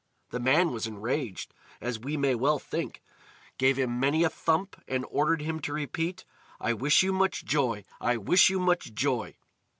The man was enraged, as we may well think, gave him many a thump, and ordered him to repeat: "I wish you much joy! I wish you much joy!"